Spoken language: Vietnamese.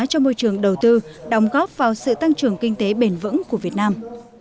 cho môi trường đầu tư đóng góp vào sự tăng trưởng kinh tế bền vững của việt nam